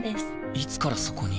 いつからそこに？